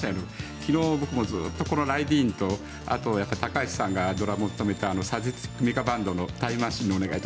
昨日、僕もずっとこの「ライディーン」とあと、高橋さんがドラムを務めたサディスティック・ミカ・バンドの「タイムマシンにお願い」と